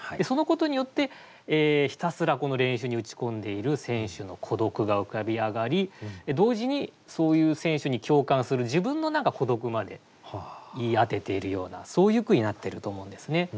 そのことによってひたすら練習に打ち込んでいる選手の孤独が浮かび上がり同時にそういう選手に共感する自分の孤独まで言い当てているようなそういう句になってると思うんですね。